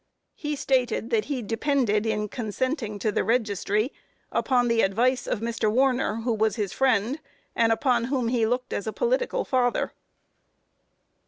He stated that he depended in consenting to the registry, upon the advice of Mr. Warner, who was his friend, and upon whom he looked as a political father.